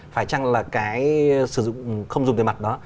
phải chăng là cái sử dụng không dùng tiền mặt đó